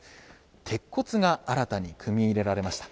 鉄骨が新たに組み入れられました。